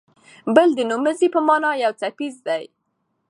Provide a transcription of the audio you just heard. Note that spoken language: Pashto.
بل د نومځي په مانا یو څپیز دی.